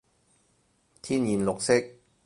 天然綠色